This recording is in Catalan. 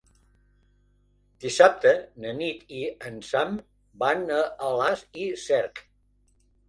Dissabte na Nit i en Sam van a Alàs i Cerc.